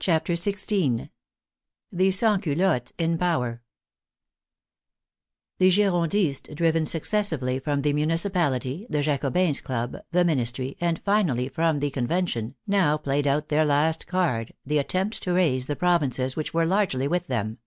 CHAPTER XVI THE SANSCULOTTE IN POWER The Girondists, driven successively from the Munici pality, the Jacobins' Club, the Ministry, and finally from the Convention, now played out their last card, the at tempt to raise the Provinces, which were largely with them.